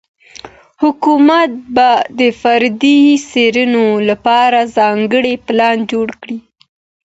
حکومت به د فردي څېړنو لپاره ځانګړی پلان جوړ کړي.